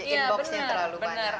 inbox nya terlalu banyak